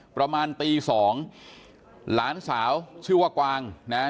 ประมาณตีสองหลานสาวชื่อว่ากวางนะฮะ